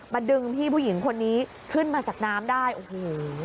ดึงพี่ผู้หญิงคนนี้ขึ้นมาจากน้ำได้โอ้โห